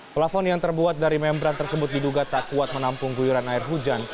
pelafon yang terbuat dari membran tersebut diduga tak kuat menampung guyuran air hujan